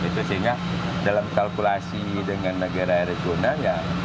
sehingga dalam kalkulasi dengan negara regional ya